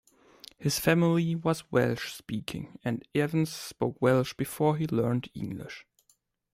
His family was Welsh speaking, and Evans spoke Welsh before he learned English.